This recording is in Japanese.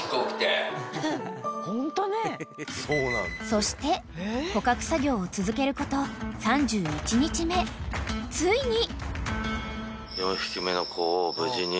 ［そして捕獲作業を続けること３１日目ついに］